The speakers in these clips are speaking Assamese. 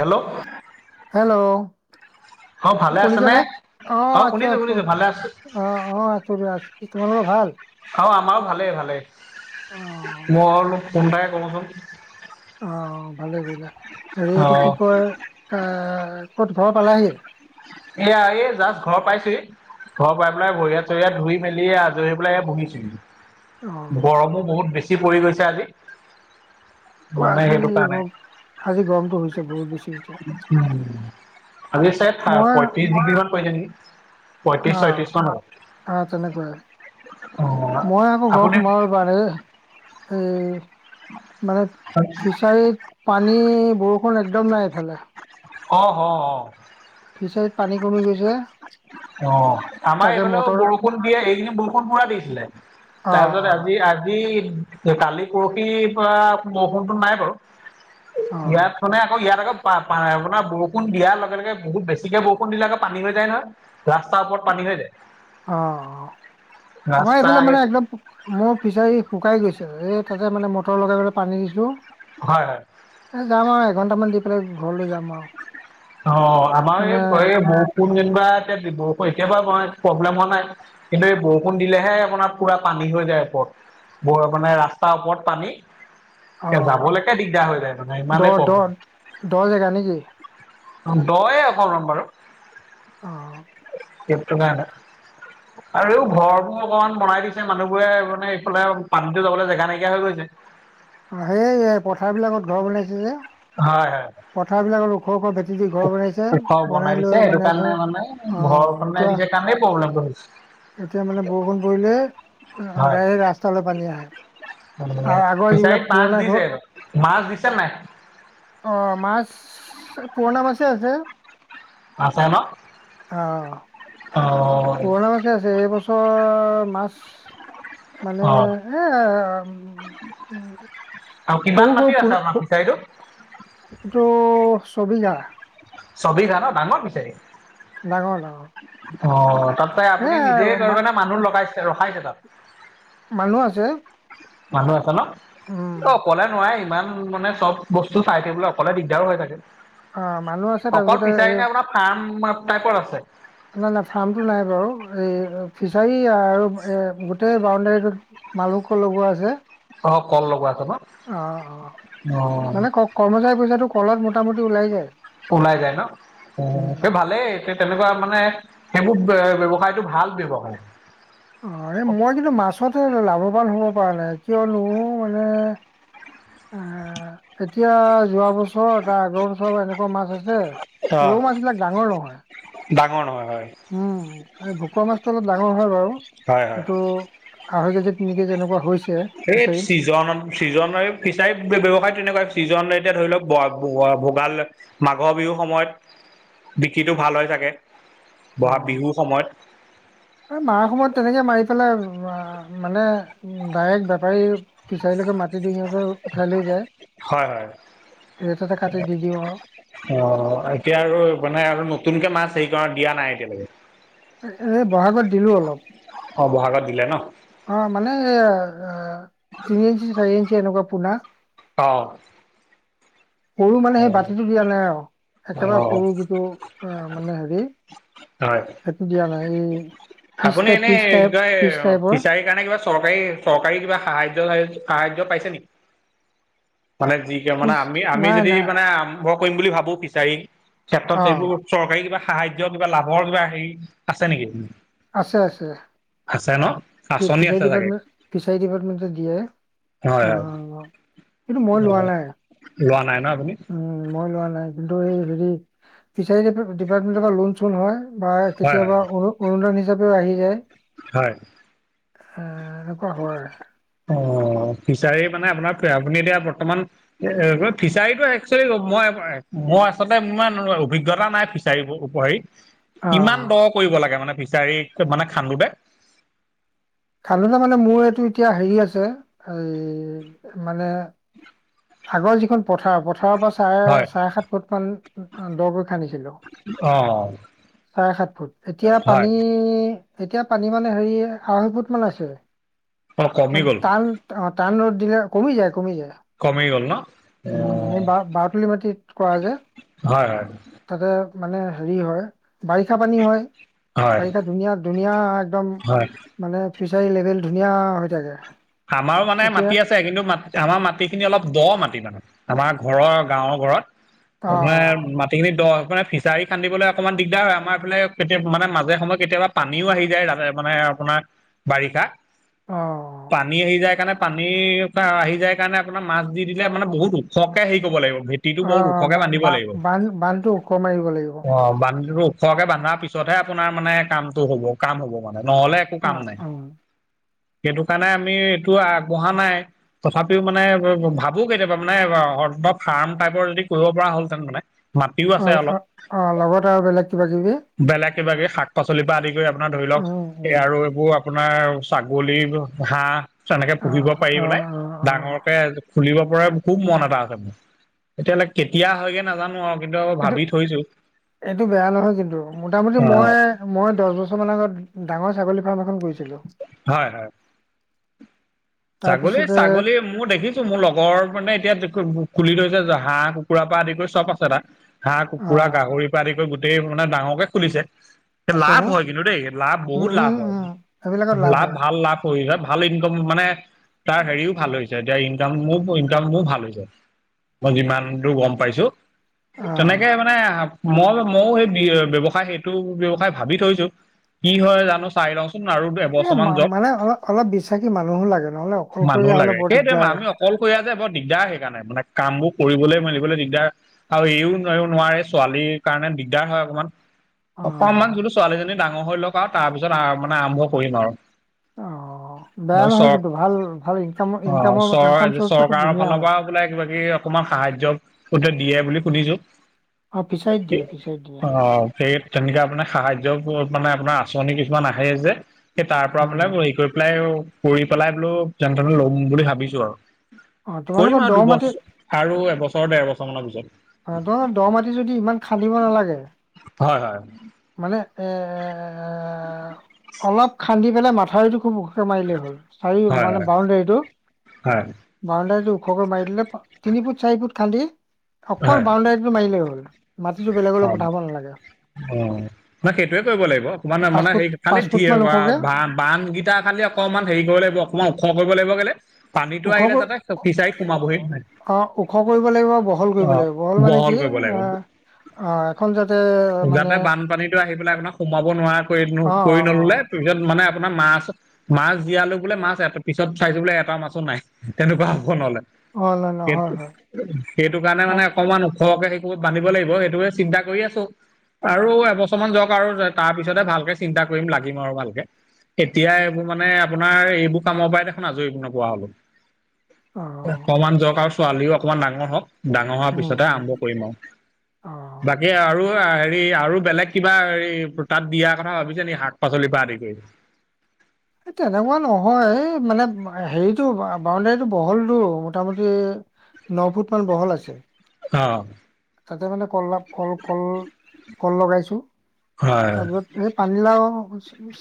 হেল্ল'। হেল্ল', অ ভালে আছেনে শুনিছানে? অ আছো, শুনিছো আছো। শুনিছো ভালে আছো অ, অ আছো দিয়া আছো। কি তোমালোকৰ ভাল? অ আমাও ভালেই, ভালেই। অ [unintelligible] সোমবাৰে ক'বচোন। অ, ভালেই কৰিলা। হেৰি অ এইটো কি কয়, কা ক'ত ঘৰ পালাহি? এয়া এই জাষ্ট ঘৰ পাইছোহি। ঘৰ পাই পেলাই ভৰি-হাত, চৰি-হাত ধুই মেলি এ আজৰি হৈ পেলাই বহিছোহি। অ গৰমো বহুত বেছি পৰি গৈছে আজি। অ, মানে আজি সেইটো কাৰণে, গম আজি গৰমটো হৈছে বহুত বেছি হৈছে। উম। আজি চাগে ফা মই পয়ত্ৰিছ ডিগ্ৰী মান কৰিলে নেকি? পঁয়ত্ৰিশ অ। ছয়ত্ৰিশ মান হ'ব অ, অ তেনেকুৱাই। মই আকৌ ঘৰ আপুনি সোমাও [unintelligible] এ মানে ফিচাৰীত পানী বৰষুণ একদম নাই এইফালে। ক হ অ। ফিচাৰীত পানী কমি গৈছে। অ, আমাৰ তাকে এইফালেও মটৰ বৰষুণ দিয়ে। এইখিনি বৰষুণ পুৰা দিছিলে। অ তাৰপিছত অ আজি আজি তে কালি পৰহি পৰা বৰষুণটো নাই বাৰু। অ ইয়াত মানে আকৌ ইয়াত আকৌ পা পা আপোনাৰ বৰষুণ দিয়াৰ লগে লগে বহুত বেছিকে ব বৰষুণ দিলে আকৌ পানী হৈ যায় নহয়। ৰাস্তাৰ ওপৰত পানী হৈ যায়। অ, অ। আমাৰ ৰাস্তা এইফালে সেই মানে একদম মোৰ ফিচাৰী শুকাই গৈছে। এই তাতে মানে মটৰ লগাই পেলাই পানী দিছো। হয়, হয়। এ যাম আও এঘণ্টামান দি পেলাই ঘৰলৈ যাম আও। অ, আমাৰ এই এই বৰষুণ যেনিবা একে বৰষুণ এতিয়া বা মই প্ৰব্লেম হোৱা নাই। কিন্তু এই বৰষুণ দিলেহে আপোনাৰ পুৰা পানী হৈ যায় ওপত। ব মানে ৰাস্তাৰ ওপৰত পানী, অ এ যাবলেকে দিগদাৰ হৈ যায় মানে দ ইমানেই দ প্ৰব্লেম। দ জেগা নে কি? অ দয়ে অকমান বাৰু। অ। কেপটো কাৰণে। [inaudible] আৰু ঘৰবোৰ অকমান বনাই দিছে মানুহবোৰে মানে এইফালে পানীটো যাবলে জেগা নাইকিয়া হৈ গৈছে। অ সেইয়ে পথাৰবিলাকত ঘৰ বনাইছে যে। হয়, হয়। পথাৰবিলাকত ওখ ওখ ভেট টি দি ঘৰ বনাইছে। ওখ বনাই দিছে লৈ সেইটো মানে কাৰণে সেই মানে আ ঘৰ বনাই এতিয়া দিছে কাৰণেই প্ৰব্লেমটো হৈছে এতিয়া মানে বৰষুণ পৰিলে ডাইৰেক ৰাস্তালে পানী আহে। অ আৰু আগৰ যিবিলাক ফিচাৰীত পাছ পুৰণা ঘৰ দিছে মাছ দিছে নাই? অ মাছ পুৰণা মাছেই আছে। আছে ন? অ, অ পুৰণা মাছেই আছে। এইবছৰ মাছ মানে অ সে এ উম আৰু সৰু কিমান সৰু মাটি পুল আছে আপোনাৰ সৰু- ফিচাৰীটো? এইটো ছবিঘা। ছবিঘা ন? ডাঙৰ ফিচাৰী। ডাঙৰ, ডাঙৰ। অ, তাত তাই এ আপুনি নিজে মা কৰেগে নে মানুহ লগাইছে ৰখাইছে তাত? মানুহ আছে। মানুহ আছে ন? উম অকলে নোৱাৰে ইমান মানে চব বস্তু চাই থাকিবলে অকলে দিগদাৰো হৈ থাকে। অ মানুহ আছে অকল তাৰপিছতে ফিচাৰী এই নে আপোনাৰ ফাৰ্ম টাইপৰ আছে? না, না ফাৰ্মটো নাই বাৰু। এই ফিচাৰী আৰু এ গোটেই বাউণ্ডাৰীটোত মালভোগ কল লগোৱা আছে। অ, কল লগোৱা আছে ন? অ, অ অ মানে ক কৰ্মচাৰী পইচাটো কলত মোটামুটি ওলাই যায়। ওলাই যায় ন? অ তে উম ভালেই। সে তেনেকুৱা মানে সেইবোৰ বে ব্যৱসায়টো ভাল ব্যৱসায়। অ এই মই কিন্তু মাছতে লাভৱান হ'ব পৰা নাই। কিয়নো মানে আ এতিয়া যোৱা বছৰ তাৰ আগৰ বছৰ বাৰ এনেকুৱা মাছ আছি অ [unintelligible] ৰৌ মাছবিলাক ডাঙৰ নহয়। ডাঙৰ নহয় হয় উম, এই ভকুৱা মাছটো অলপ ডাঙৰ হয় বাৰু, হয় হয়। এইটো আঢ়ৈ কেজি তিনি কেজি এনেকুৱা হৈছে। সেই ফিচাৰীত চিজনত ছিজনৰ ফিচাৰী ব্যৱসায় তেনেকুৱাই, ছিজন এতিয়া ধৰি লওঁক [unintelligible] ভোগাল মাঘৰ বিহুৰ সময়ত বিকিটো ভাল হৈ থাকে, অ বহাগ বিহুৰ সময়ত এই মাৰা সময়ত তেনেকে মাৰি পেলাই আ মানে ডাইৰেক বেপাৰী ফিচাৰীলৈকে মাটিটো সিহঁতে উঠাই লৈ যায়। হয় হয়। ৰেটতে কাটি দি দিওঁ আৰু। অ এতিয়া আৰু মানে আৰু নতুনকে মাছ হেৰি কৰা দিয়া নাই এতিয়ালৈকে। এ বহাগত দিলো অলপ। অ', বহাগত দিলে ন। অ', মানে তিনি ইঞ্চি চাৰি ইঞ্চি এনেকুৱা পোনা। অ'। সৰু মানে সেই বাতিটো দিয়া নাই আৰু অ একেবাৰে সৰু যিটো অ', মানে হেৰি হয়। সেইটো দিয়া নাই এই পিচ আপুনি টাইপ এনেই পিচ কি টাইপ কয় পিচ টাইপৰ ফিচাৰী [unintelligible] কাৰণে কিবা চৰকাৰী- চৰকাৰী কিবা সাহায্য-সাহায্য পাইছে নেকি, মানে যি মানে পিচ আমি আমি নাই যদি নাই মানে আৰম্ভ কৰিম বুলি ভাবো ফিচাৰি, ক্ষেত্ৰত অ সেইবোৰ চৰকাৰী কিবা সাহায্য কিবা লাভৰ কিবা হেৰি আছে নেকি। আছে-আছে। আছে ন। আঁচনি ফিছাৰী আছে চাগে ডিপাৰ্টমেণ্ট, ফিচাৰী ডিপাৰ্টমেণ্টত দিয়ে, হয় হয় অ' কিন্তু মই অ লোৱা নাই, লোৱা নাই ন আপুনি উম। মই লোৱা নাই, কিন্তু এই হেৰি ফিচাৰী দিপাৰ্তমেণ্টৰ পৰা লোন চোন হয় বা হয় হয় কেতিয়াবা অৰু অনুদান হিচাপেও আহি যায়। হয়। এ এনেকুৱা হয়। অ', ফিচাৰী মানে আপোনাৰ, আপুনি এতিয়া বৰ্তমান এ ফিচাৰীটো একচুৱেলি মই-মই আচলতে ইমান অভিজ্ঞতা নাই, ফিচাৰী উপৰ হেৰি। [inaudible] কিমান দ কৰিব লাগে মানে ফিচাৰী মানে খান্দোতে। খান্দোতে মানে মোৰ এইটো এতিয়া হেৰি আছে, এই মানে আগৰ যিখন পথাৰ, পথাৰৰ পৰা চাৰে হয় চাৰে সাত ফুট মান দকৈ খান্দিছিলো। অ চাৰে সাত ফুট, এতিয়া হয় পানী এতিয়া পানী মানে হেৰি, আঢ়ৈ ফুট মান আছে, অ কমি মানে গ'ল তাল অ', টান ৰ'দ দিলে কমি যায়-কমি যায়। কমি গ'ল ন। অ উম, এই বা বাওতুলি মাটিত কৰা যে। হয় হয় তাতে মানে হেৰি হয়, বাৰিষা পানী হয়। হয় বাৰিষা ধুনীয়া- ধুনীয়া একদম হয় মানে ফিচাৰী লেভেল ধুনীয়া হৈ থাকে। আমাৰো মানে এতিয়া মাতি আছ ছে, কিন্তু মানে আমাৰ মাটি খিনি অলপ দ মাটি মানে, আমাৰ ঘৰৰ গাঁৱৰ ঘৰত। অ মানে মা সেইখিনি দ মানে ফিচাৰি খান্দিবলে অকমান দিগদাৰ হয়, আমাৰ এফালে কেতিয়া মানে মাজে সময় কেতিয়াবা পানীও আহি যায় [unintelligible] মানে আপোনাৰ বাৰিষা। অ'। পানী আহি যায় কাৰণে পানীৰ আহি যায় কাৰণে আপোনাৰ মাছ দি দিলে মানে বহুত ওখকে হেৰি কৰিব লাগিব, ভে ভেটিটো অ অ বহুত ওখকে বা- বান্ধিব বা- লাগিব, বান্ধ বান্ধটো ওখ মাৰিব লাগিব অ', বান্ধিব ওখকৈ বান্ধাৰ পিছতহে আপোনাৰ মানে কামটো হ'ব, কাম হ'ব মানে নহ'লে একো অ কাম নাই। অ সেইকাৰনে আমি এইটো আগবঢ়া নাই। তথাপিও মানে ভাৱোঁ কেতিয়াবা মানে শদ [unintelligible] ফাৰ্ম টাইপৰ যদি কৰিব পৰা হল তেন মানে। মাটিও আছে অলপ [unintelligible] অ', লগত আৰু বেলেগ কিবা কিবি। বেলেগ কিবা কিবি, শাক পাচলিৰ পৰা আদি কৰি আপোনাৰ ধৰি লওঁক উম এই উম আৰু উম। এইবোৰ আপোনাৰ ছাগলী হাঁহ তেনেকে অ পুহিব পাৰি অ বেলাই। অ অ ডাঙৰকে খুলিব পৰা খুব মন এটা আছে মোৰ, তেতিয়াহ'লে কেতিয়া হয়গে নাজানোঁ আৰু। কিন্তু ভাবি থৈছো সেইটো-সেইটো বেয়া নহয় কিন্তু মোটামুটি অ মই মই দছ বছৰমান আগত ডাঙৰ ছাগলী ফাৰ্ম এখন কৰিছিলোঁ। হয়-হয়। তাৰপিছতে ছাগলী-ছাগলী মোৰ দেখিছ মোৰ লগৰ মানে এতিয়া খুলি থৈছে হাঁহ কুকুৰা পৰা আদি কৰি চব আছে তাৰ। হাঁহ অ কুকুৰা গাহৰিৰ পৰা আদি কৰি গোটেই মানে ডাঙৰকে খুলিছে। আছে লাভ ন হয় কিন্তু দেই লাভ উম বহুত লাভ উম হয়। উম সেইবিলাকত লাভ, হয় ভাল লাভ কৰি হয় ভাল ইনকম মানে তাৰ হেৰিও ভাল হৈ এতিয়া ইনকাম মোৰ ইনকাম মোৰ ভাল হৈছে, মই যিমান দূৰ গম পাইছোঁ। অ তেনেকে মানে মই মইো সেই ব্যয়ৱসায় সেইটো ব্যয়ৱসায় ভাবি থৈছোঁ, কি হয় জানোঁ চাই লওঁ আৰু [unintelligible] এ, যাওক মানে অলপ - অলপ বিশ্বাসী মানুহো লাগে নহ'লে অকলশৰীয়া হলে বৰ দিগদাৰ। অকল হৰিয়া যে বৰ দিগদাৰ সেইকাৰণে মানে কামবোৰ কৰিবলৈ মেলিবলৈ দিগদাৰ। আৰু এইও নোৱাৰে ছোৱালীৰ কাৰণে দিগদাৰ হয় অকমান। অ অকণমান বোলোঁ ছোৱালীজনী ডাঙৰ হৈ লওঁক আৰু তাৰপিছত মানে আৰম্ভ কৰিম আৰু। অ', বেয়া নহয় চৰক কিন্তু ভাল- ভাল ইনকামৰ-ইনকামৰ ইনকাম চৰ্চ টো খুব ধুনীয়া হয়। [unintelligible] বাকী অকমান সাহায্যৰ [unintelligible] দিয়ে বুলি শুনিছোঁ। অ ফিচাৰীত দিয়ে ফিচাৰীত দিয়ে অ'। সেই তেনেকা আপোনে সাহায্যৰ [unintelligible] মানে আপোনাৰ আচনি কিছুমান আহে যে। সেই তাৰ পৰা মানে উম হেৰি কৰি পেলাই কৰি পেলাই বোলোঁ যেনেতেনে লম বুলি ভাবিছোঁ আৰু। অ কৰিম তোমালোকৰ আৰু দ মাটি দুবছৰ আৰু এবছৰ ডেৰ বছৰ মানৰ পিছত। অ', দহ মাটি যদি ইমান খান্দিব নালাগে। হয়-হয়। মানে এ অলপ খান্দি পেলাই মাথাউৰিতটো খুব মাৰিলেই হ'ল চাৰি হয় মানে বৌন্দেৰিতো। হয় বৌন্দেৰিটো ওখ কৰি মাৰি দিলে তিনি ফুট চাৰি ফুট খান্দি অকল হয় বৌন্দেৰীটো মাৰিলে হল। মাটিটো বেলেগলৈ হয়। পঠাব নালাগে। অ', নাই সেইটোৱে কৰিব লাগিব। তানে পাঁচ মানে হে ফুট খালী পাঁচ ফুট মান ধ ওখকে বান-বান কেইটা খালি অকণমান হেৰি কৰিব লাগিব অকণমান ওখ কৰিব লাগিব কেলে? পানীতটো ওখ আহিলে কৰ- যাতে ফিচাৰীত সোমাবহি নোৱাৰে। অ', ওখ কৰিব লাগিব বহল অ কৰিব লাগিব, বহল মানে কি? কৰিব লাগিব অ' এখন যাতে মানে যাতে বানপানীতো আহি পেলাই আপোনাক সোমাব নোৱাৰা অ কৰি-কৰি অ অ নললে তাৰপিছত মানে আপোনাৰ মাছ মাছ জীয়ালোঁ বোলে মাছ পিছত চাইছোঁ বোলে এটা মাছো নাই। তেনেকুৱা হ'ব নহলে। অ ন ন সেই হয় হয় সেইটো কাৰণে মানে আও- অকমান ওখকে সেই কৰিব বান্ধিব লাগিব। সেইটো সেইটোৱে চিন্তা কৰি আছোঁ। আৰু এবছৰমানান যাওঁক আৰু তাৰ পিছতেহে ভালকে চিন্তা কৰিম লাগিম আৰু ভালকে। এতিয়া এইবোৰ মানে আপোনাৰ এইবোৰ কামৰ পৰাই দেখোন আজৰিব নোপোৱা হলোঁ। অ অকমান যাওঁক আৰু ছোৱালীও অকমান ডাঙৰ হওঁক, ডাঙৰ হোৱাৰ উম পিছতেহ উম আৰম্ভ কৰিম আৰু। অ'। বাকী আৰু হেৰি আৰু বেলেগ কিবা হেৰি তাত দিয়া কথা ভাবিছে নে শাক পাচলিৰ পৰা আদি কৰি? এই তেনেকুৱা নহয়, এই মানে হেৰিতটো বৌন্দেৰীতো বহলতটো মোটামুটি ন ফুট মান বহল আছে। অ'। তাতে মানে কলাভ কল-কল-কল লগাইছোঁ, হয় তাৰপিছত স পানীলাও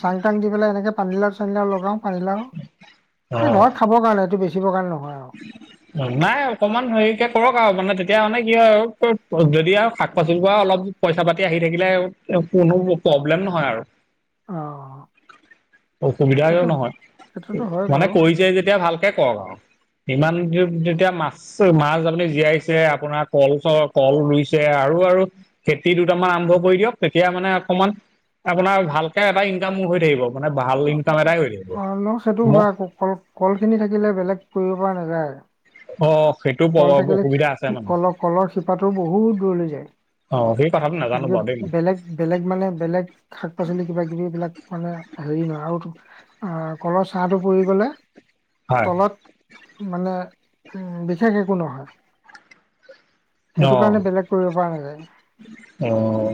চাং টান দি পেলাই এনেকৈ পানীলাও চানীলাও লগাওঁ। পানিলাও। এই অ ঘৰত খাবৰ কাৰণে এইটো বেচিবৰ কাৰণে নহয় আৰু। নাই অকমান হেৰিকে কৰক আৰু মানে তেতিয়া মানে কি হয় আৰু যদি আৰু শাক-পাচলিৰ পৰা অলপ পইচা-পাতি আহি থাকিলে কোনো প্ৰব্লেম নহয় আৰু। [inaudible] অসুবিধা সেইটো নহয়, সেইটোতো হয় মানে বাৰু কৰিছে যেতিয়া ভাল। তে কৰক বাৰু। ইমান [unintelligible] যেতিয়া মাছ মাছ আপুনি জীয়াইছে আপোনাৰ কল চ কল ৰুইছে আৰু-আৰু খেতি দুটামান আৰম্ভ কৰি দিয়ক, তেতিয়া মানে অকমান আপোনাৰ ভালকে এটা ইনকামো হৈ থাকিব। মানে ভাল ইনকাম এটাই হৈ থাকিব অ', ন? সেইটো ম হয়, আকৌ কল - কল খিনি থাকিলে বেলেগ কৰিব পৰা নাযায়। অ সেইটো কল থাকিলে অসুবিধা আছে মানে কলৰ - কলৰ শিপাটো বহুত দূৰলৈ যায়। অ', সেই কথাাতটো নাজানোঁ তাৰপিছত বাৰু দেই মই। বেলেগ বেলেগ মানে বেলেগ শাক-পাচলি কিবা-কিবি এই বিলাক মানে হেৰি নহয় আৰু টো আ কলৰ চাহটো পৰিু গলে হয় তলত মানে উম, বিশেষ একো নহয়। সেইটো কাৰণে অ বেলেগ কৰিব পৰা নাযায়। অ',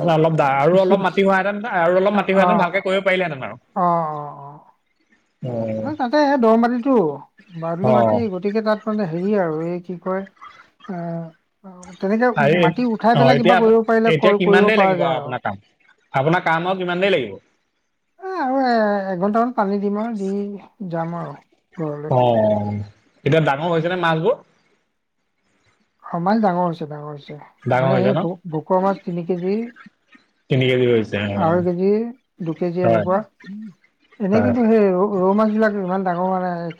মানে অলপ দা আৰু কৃষি অলপ মাি হোৱেতেন আৰু অলপ অ মাটি অ হোৱাহেতেন ভালকে কৰিব পাৰিলে হেঁতেন আৰু। অ', অ'। তাতে দ মাটিতটো বাৰলি অ', মাটি গতিকে তাত মানে হেৰি আৰু এই কি কয়? আ অ', তেনেকে উম, আৰু মাটি উঠাই অ', পেলাই এতিয়া কিবা আপ কৰিব পাৰিলে এতিয়া কিমান কৰিব দেৰি পৰা লাগিব যায় আৰু। আপোনাৰ কাম? আপোনাৰ কাম আৰু কিমান দেৰি লাগিব? এ আৰু এ এঘন্টামান পানী দিম আৰু দি যাম আৰু ঘৰত। অ', এতিয়া ডাঙৰ হৈছে নে মাছ বোৰ? অ', মাছ ডাঙৰ হৈছে - ডাঙৰ হৈছে ডাঙৰ মানে হৈছে সেই ন? ভোকুৱা মাছ তিনি কেজি তিনি কেজি হৈছে অ', আঢ়ৈ কেজি, দু কেজি হয়, এনেকুৱা। এনে হয়। কিন্তু সেই আৰু ৰৌ মাছবিলাক ইমান ডাঙৰ হোৱানাই।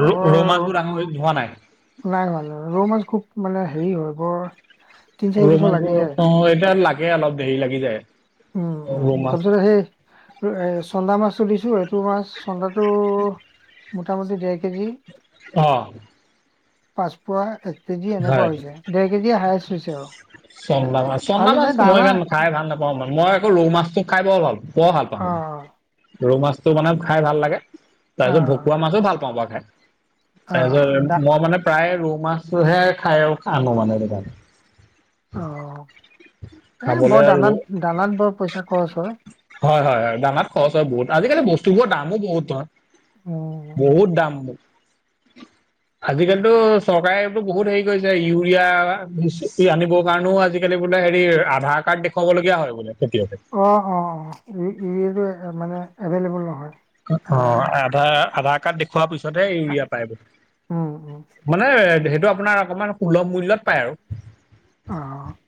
ৰৌ - ৰৌ মাছবোৰ ডাঙৰ হৈ হোৱা নাই? নাই হোৱা-নাই হোৱা, ৰৌ মাছ খুব মানে হেৰি হয় বৰ তিন চাৰি বছৰ লাগি ৰৌমাছবোৰ যায় এতিয়া লাগে অলপ দেৰি লাগি যায়। উম - উম ৰৌ মাছ তাৰপিছত সেই এ চন্দা মাছতটো দিছোঁ, এইটো মাছ চন্দাটো মোটামুটি দেৰ কেজি। অ'। পাচ পোৱা এক কেজি এনেকুৱা হয়। হৈছে। দেৰ কেজি হায়ষ্ট হৈছে আৰু। চন্দা মাছ - ভাল চন্দা মাছ হৈছে মই দানা ইমান খাই ভাল নাপাও মই, মই। আকৌ ৰৌ মাছটো খাই বৰ ভাল- বৰ ভাল পাওঁ। অ ৰৌ মাছটো মানে খাই ভাল লাগে। অ তাৰপিছত ভকুৱা মাছো ভাল পাওঁ বাৰু খাই। অ অ দা তাৰপিছত মই মানে প্ৰায় ৰৌ মাছ সহে খাই আৰু আনো মনে আৰু তান [unintelligible] অ', এ খাবলৈ বৰ আৰু দানাত - দানাত বৰ পইচা খৰচ হয়। হয় - হয় দানাত খৰচ হয় বহুত। আজিকালি বস্তুবোৰৰ দামো বহুত নহয়। উম, বহুত দাম। আজিকালিতো চৰকাৰে বহুত হেৰি কৰিছে, ইউৰিয়া আনিবৰ কাৰণেও আজিকালি বোলে হেৰি আধাৰ কাৰ্ড দে দেখাবলগীয়া হয় বোলে খেতিয়কে। অ', অ ', অ ', [unintelligible] মানে এভেইলেবল নহয়। অ', আহ, আধাৰ - আধাৰ কাৰ্ড দেখওুৱা পিছত পিছতহে ইউৰিয়া উম উম পাই। মানে সেইটো আপোনাৰ অকমান সুলভ মূল্যত পায় আৰু। অ'।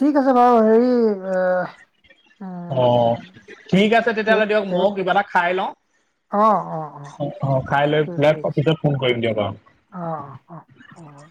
ঠিক আছে বাৰু হেৰি অ, অ', ঠিক আছে এ এই তেতিয়াহ'লে দিয়ক, এই মইও কিবা এটা খাই লওঁ। অ ', অ ', অ'। অ', অ', খাই লৈ ঠিক পেলাই ঠিক অ', আছে পিছত ফোন কৰিম দিয়ক বাৰু। অ', অ', হ'ব।